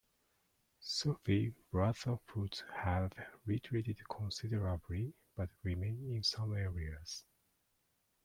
Sufi brotherhoods have retreated considerably, but remain in some areas.